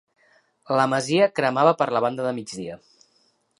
La masia cremava per la banda de migdia.